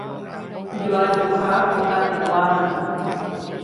Joajuha okapeguávandi.